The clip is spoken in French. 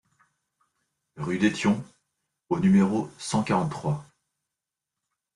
Rue d'Etion au numéro cent quarante-trois